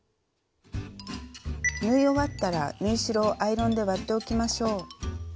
縫い終わったら縫い代をアイロンで割っておきましょう。